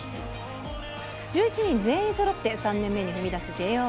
１１人全員そろって３年目に踏み出すＪＯ１。